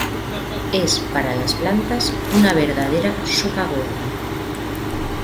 Es para las plantas una verdadera sopa gorda.